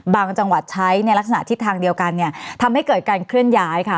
จังหวัดใช้ในลักษณะทิศทางเดียวกันเนี่ยทำให้เกิดการเคลื่อนย้ายค่ะ